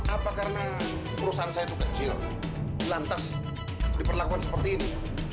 apa karena perusahaan saya itu kecil lantas diperlakukan seperti ini